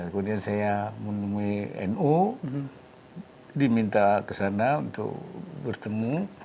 kemudian saya menemui nu diminta ke sana untuk bertemu